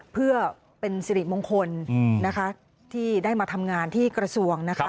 เพื่อเป็นสิริมงคลนะคะที่ได้มาทำงานที่กระทรวงนะคะ